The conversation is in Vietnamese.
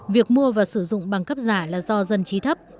việc mua và sử dụng bằng cấp giả là do dân trí thấp